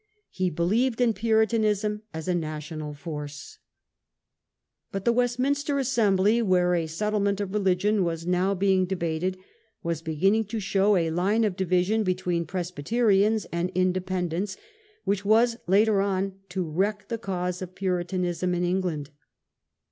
He believed in Puritanism as a national force. But the Westminster Assembly, where a settlement of religion was now being debated, was beginning to show a line of division between Presbyterians and Division in Independents, which was, later on, to wreck ^^^ camps. the cause of Puritanism in England.